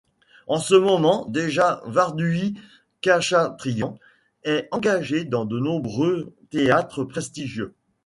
En ce moment déjà Varduhi Khachatryan est engagée dans de nombreux théâtres prestigieux.